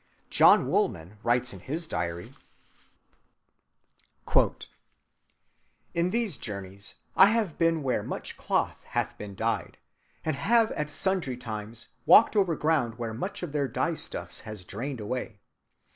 John Woolman writes in his diary:— "In these journeys I have been where much cloth hath been dyed; and have at sundry times walked over ground where much of their dyestuffs has drained away.